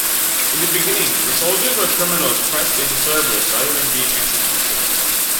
In the beginning the soldiers were criminals pressed into service rather than being executed.